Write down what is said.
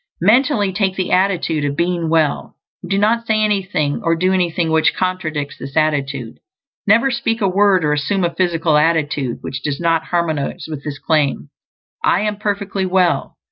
Mentally take the attitude of being well, and do not say anything or do anything which contradicts this attitude. Never speak a word or assume a physical attitude which does not harmonize with the claim: "I am perfectly well."